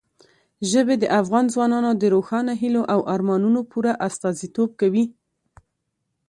ژبې د افغان ځوانانو د روښانه هیلو او ارمانونو پوره استازیتوب کوي.